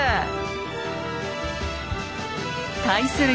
対する